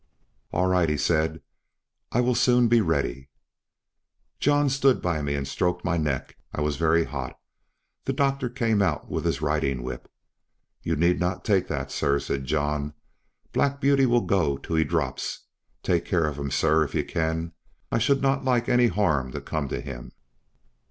"All right," he said; "I will soon be ready." John stood by me and stroked my neck. I was very hot. The doctor came out with his riding whip. "You need not take that, sir," said John; "Black Beauty will go till he drops. Take care of him, sir, if you can; I should not like any harm to come to him."